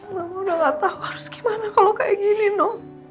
mama udah gak tau harus gimana kalau kayak gini no